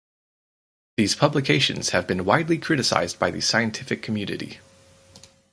These publications have been widely criticised by the scientific community.